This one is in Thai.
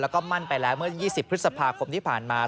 แล้วก็มั่นไปแล้วเมื่อ๒๐พฤษภาคมที่ผ่านมา